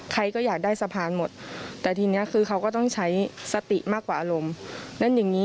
ใครก็อยากได้สะพานหมดแต่ทีนี้เขาก็ต้องใช้สติมากกว่าอารมณ์